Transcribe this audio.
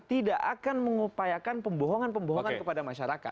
tidak akan mengupayakan pembohongan pembohongan kepada masyarakat